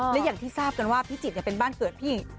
และอย่างที่ทราบกันว่าพิจิตรเป็นบ้านเกิดพี่